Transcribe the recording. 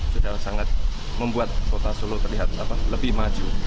sudah sangat membuat kota solo terlihat lebih maju